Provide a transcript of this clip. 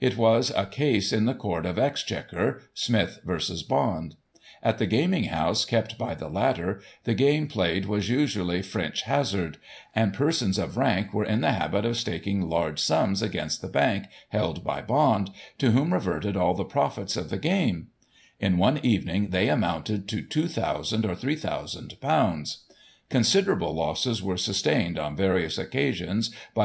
It was a case in the Court of Exchequer — Smith V. Bond. At the gaming house kept by the latter, the game played was, usually, " French Hazard "; and persons of rank were in the habit of staking large sums against the *' bank " held by Bond, to whom reverted all the profits of the game ; in one evening they amounted to ;f 2,000 or ;£'3,ooo Considerable losses were sustained, on various occasions, bj' Digiti ized by Google I9« GOSSIP.